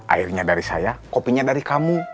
airnya dari saya kopinya dari kamu